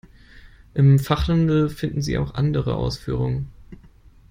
Im Fachhandel finden Sie auch andere Ausführungen.